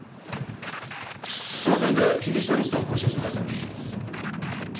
その線で被疑者リストを更新してください。